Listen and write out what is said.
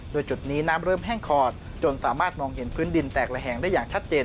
โดยจุดนี้น้ำเริ่มแห้งขอดจนสามารถมองเห็นพื้นดินแต่ละแห่งได้อย่างชัดเจน